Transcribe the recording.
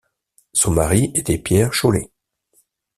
Son mari était Pierre Chaulet.